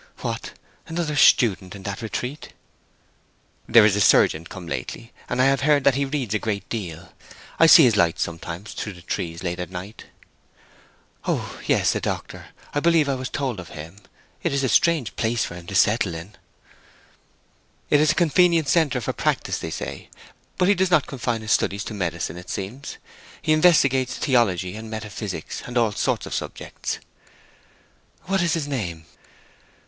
"What—another student in that retreat?" "There is a surgeon lately come, and I have heard that he reads a great deal—I see his light sometimes through the trees late at night." "Oh yes—a doctor—I believe I was told of him. It is a strange place for him to settle in." "It is a convenient centre for a practice, they say. But he does not confine his studies to medicine, it seems. He investigates theology and metaphysics and all sorts of subjects." "What is his name?"